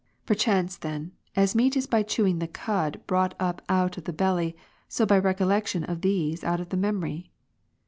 Perchance, then, as meat is by chewing the cud brought up out of the belly, so by recollection these out of the memory.